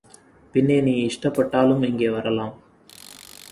பின்னே நீ இஷ்டப்பட்டாலும் இங்கே வரலாம்.